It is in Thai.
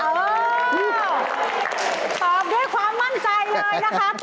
ตอบด้วยความมั่นใจเลยนะคะ